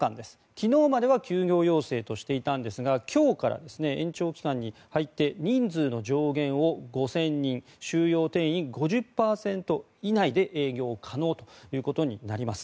昨日までは休業要請としていたんですが今日から延長期間に入って人数の上限を５０００人収容定員５０％以内で営業可能となります。